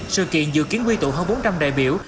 sự kiện dự kiến quy tụ hơn bốn trăm linh đại biểu